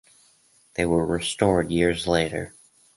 They were restored years later.